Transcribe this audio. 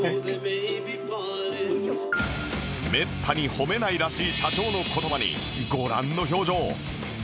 めったに褒めないらしい社長の言葉にご覧の表情